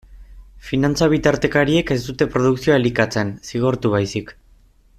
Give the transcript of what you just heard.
Finantza-bitartekariek ez dute produkzioa elikatzen, zigortu baizik.